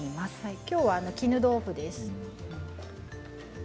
きょうは絹豆腐です。